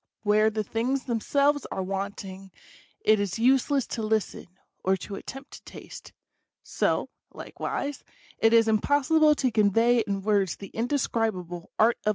Where the things themselves are want ing it is useless to listen, or to attempt to taste. So, likewise, it is impossible to convey in words the indescribable Art of 6 INTRODUCTION.